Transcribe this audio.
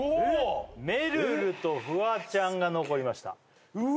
めるるとフワちゃんが残りましたうわ